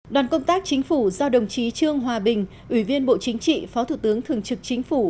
đoàn công tác chính phủ do đồng chí trương hòa bình ủy viên bộ chính trị phó thủ tướng thường trực chính phủ